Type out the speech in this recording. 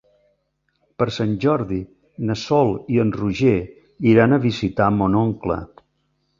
Per Sant Jordi na Sol i en Roger iran a visitar mon oncle.